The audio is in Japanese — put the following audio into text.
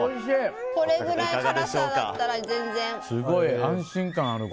これぐらいの辛さだったら全然。